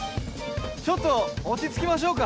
ちょっと落ち着きましょうか。